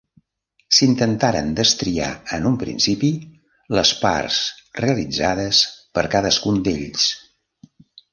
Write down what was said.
S'intentaren destriar en un principi les parts realitzades per cadascun d'ells.